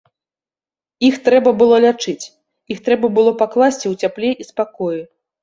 Іх трэба было лячыць, іх трэба было пакласці ў цяпле і спакоі.